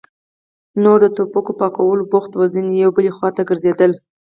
نور د ټوپکو په پاکولو بوخت وو، ځينې يوې بلې خواته ګرځېدل.